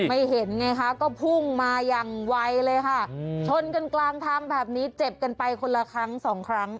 ไม่เห็นไงคะก็พุ่งมาอย่างไวเลยค่ะชนกันกลางทางแบบนี้เจ็บกันไปคนละครั้งสองครั้ง